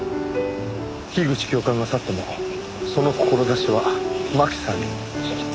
樋口教官が去ってもその志は真紀さんに引き継がれている。